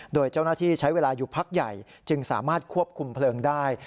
โดยเจ้าหน้าที่ใช้เวลาอยู่พักใหญ่จึงสามารถควบคุมเพลิงได้